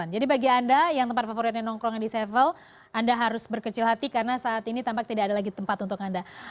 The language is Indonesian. jadi bagi anda yang tempat favoritnya nongkrong di tujuh sebelas anda harus berkecil hati karena saat ini tampaknya tidak ada lagi tempat untuk anda